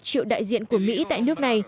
triệu đại diện của mỹ tại nước này